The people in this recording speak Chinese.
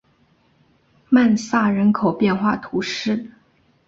曼萨人口变化图示